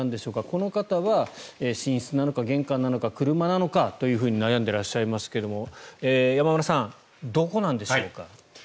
この方は寝室なのか、玄関なのか車なのかと悩んでらっしゃいますが山村さん、どこなでしょうか。